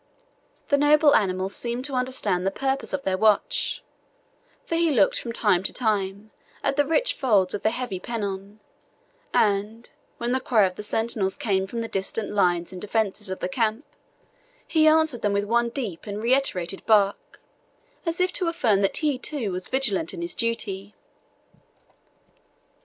The noble animal seemed to understand the purpose of their watch; for he looked from time to time at the rich folds of the heavy pennon, and, when the cry of the sentinels came from the distant lines and defences of the camp, he answered them with one deep and reiterated bark, as if to affirm that he too was vigilant in his duty.